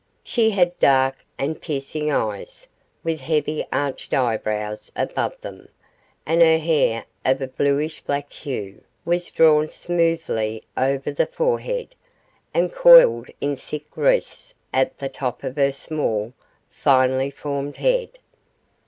She had dark and piercing eyes, with heavy arched eyebrows above them, and her hair, of a bluish black hue, was drawn smoothly over the forehead, and coiled in thick wreaths at the top of her small, finely formed head.